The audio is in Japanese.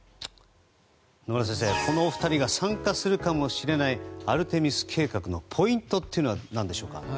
野村先生、このお二人が参加するかもしれないアルテミス計画のポイントは何でしょうか？